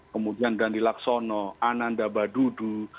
kemudian dandi laksono ananda badudu